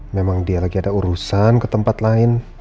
memang dia lagi ada urusan ke tempat lain